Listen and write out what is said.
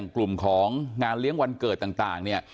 กลุ่มของงานเลี้ยงวันเกิดต่างเนี่ย